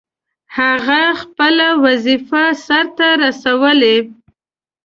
هغه خپله وظیفه سرته رسولې.